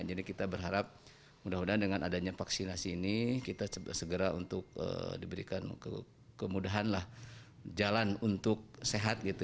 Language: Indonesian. jadi kita berharap mudah mudahan dengan adanya vaksinasi ini kita segera untuk diberikan kemudahan jalan untuk sehat